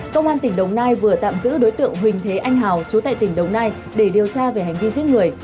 công an tỉnh đồng nai vừa tạm giữ đối tượng huỳnh thế anh hào chú tại tỉnh đồng nai để điều tra về hành vi giết người